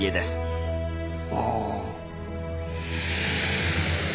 ああ。